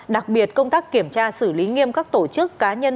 đặc biệt công tác kiểm tra xử lý nghiêm các tổ chức cá nhân